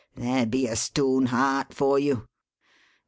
There be a stone heart for you."